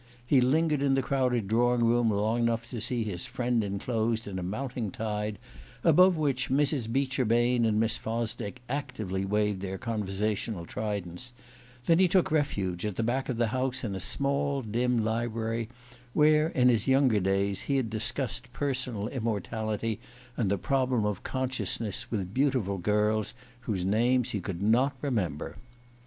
He lingered in the crowded drawing room long enough to see his friend enclosed in a mounting tide, above which Mrs. Beecher Bain and Miss Fosdick actively waved their conversational tridents; then he took refuge, at the back of the house, in a small dim library where, in his younger days, he had discussed personal immortality and the problem of consciousness with beautiful girls whose names he could not remember.